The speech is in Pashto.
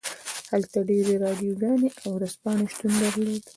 هلته ډیرې راډیوګانې او ورځپاڼې شتون درلود